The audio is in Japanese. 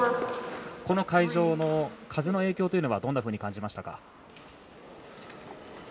この会場の風の影響というのはどんなふうに感じましたか？